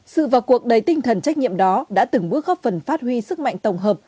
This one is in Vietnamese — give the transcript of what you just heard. sự vào cuộc đầy tinh thần trách nhiệm đó đã từng bước góp phần phát huy sức mạnh tổng hợp